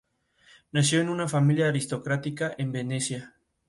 Nació en una familia aristocrática de Venecia.